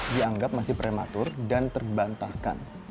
dianggap masih prematur dan terbantahkan